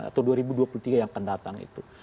atau dua ribu dua puluh tiga yang akan datang itu